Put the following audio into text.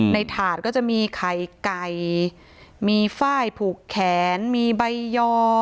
ถาดก็จะมีไข่ไก่มีฝ้ายผูกแขนมีใบยอ